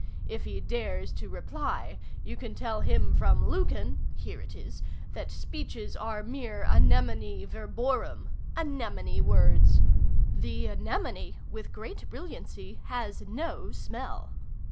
If he dares to reply, you can tell him from Lucan (here it is) that speeches are mere anemonae verborum, anemone words. The anemone, with great brilliancy, has no smell.